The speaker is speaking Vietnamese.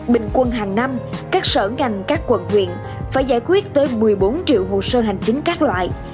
bình quân hàng năm các sở ngành các quận huyện phải giải quyết tới một mươi bốn triệu hồ sơ hành chính các loại